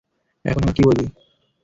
এখন আবার কী বলবি?